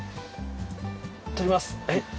採ります。